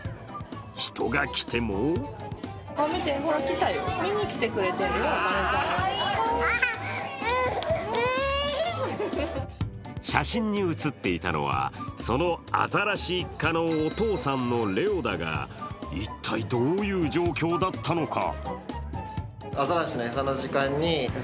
人が来ても写真に写っていたのは、そのあざらし一家のお父さんのレオだが、一体どういう状況だったのか？